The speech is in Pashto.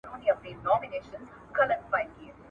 ایا ته غواړې چي ستا شکر ستا په ژوند کي برکت سي؟